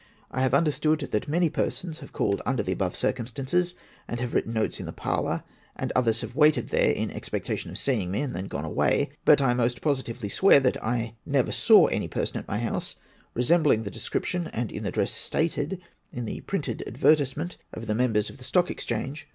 I have understood that many persons have called under the above circumstances, and have written notes in tlie parlour, and others have waited there, in expectation of seeing me, and then gone away ; but I most positively swear that I never saw any 25erson at my house resembling the description and in the dress stated in the printed advertisement of the members of the Stock MY FIRST AFFIDAVIT. 4 25 Exchange.